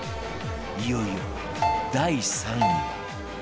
いよいよ第３位は